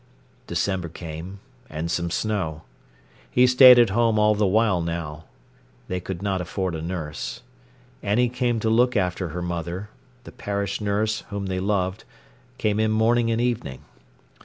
December came, and some snow. He stayed at home all the while now. They could not afford a nurse. Annie came to look after her mother; the parish nurse, whom they loved, came in morning and evening.